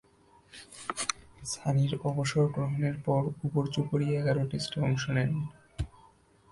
সানি’র অবসর গ্রহণের পর উপর্যুপরী এগারো টেস্টে অংশ নেন।